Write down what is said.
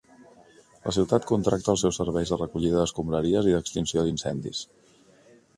La ciutat contracta els seus serveis de recollida d'escombraries i d'extinció d'incendis.